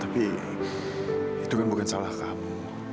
tapi itu kan bukan salah kamu